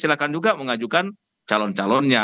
silahkan juga mengajukan calon calonnya